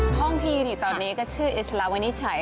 ห้องที่อยู่ตอนนี้ก็ชื่อเอสลาวินิจัย